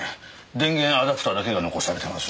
電源アダプターだけが残されてます。